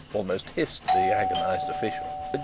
almost hissed the agonized official.